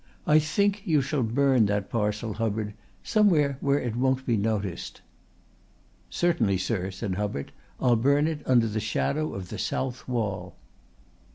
I think you shall burn that parcel, Hubbard somewhere where it won't be noticed." "Certainly, sir," said Hubbard. "I'll burn it under the shadow of the south wall." Mr.